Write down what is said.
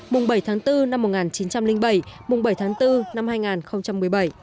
mùng bảy tháng bốn năm một nghìn chín trăm linh bảy mùng bảy tháng bốn năm hai nghìn một mươi bảy